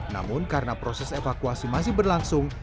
namun karena proses evakuasi masih berlangsung